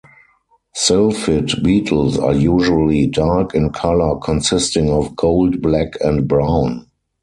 Silphid beetles are usually dark in color consisting of gold, black and brown.